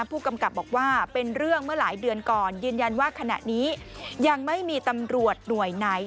ผู้กำกับบอกว่าเป็นเรื่องเมื่อหลายเดือนก่อนยืนยันว่าขณะนี้ยังไม่มีตำรวจหน่วยไหน